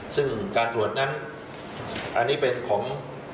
ซึ่งการตรวจนั้นอันนี้เป็นของ